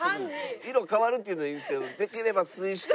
「色変わる」っていうのはいいんですけどできれば「水死体」。